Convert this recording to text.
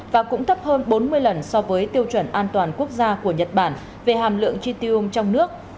và cũng thấp hơn bốn mươi lần so với tiêu chuẩn an toàn quốc gia của nhật bản về hàm lượng chi tiêu trong nước